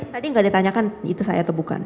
tadi gak ditanyakan itu saya atau bukan